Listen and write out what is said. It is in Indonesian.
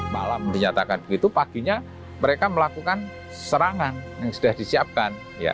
malam dinyatakan begitu paginya mereka melakukan serangan yang sudah disiapkan